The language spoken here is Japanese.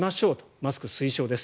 マスク推奨です。